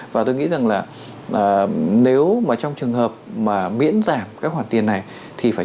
và tôi nghĩ rằng là nếu mà trong trường hợp mà miễn giảm các khoản tiền này thì phải